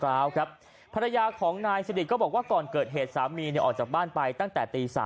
เจาะครับภรรยาของนายรักก็บอกว่าก่อนเกิดเหตุสามีก็ออกจากบ้านไปตั้งแต่